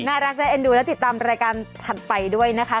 น่ารักน่าเอ็นดูและติดตามรายการถัดไปด้วยนะคะ